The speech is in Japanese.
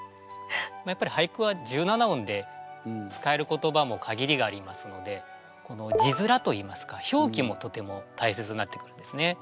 やっぱり俳句は１７音で使える言葉も限りがありますのでこの字面といいますか表記もとても大切になってくるんですね。